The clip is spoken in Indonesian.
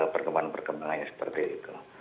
perkembangan perkembangannya seperti itu